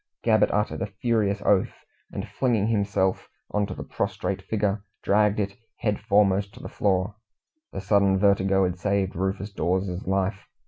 Gabbett uttered a furious oath, and flinging himself on to the prostrate figure, dragged it, head foremost, to the floor. The sudden vertigo had saved Rufus Dawes's life.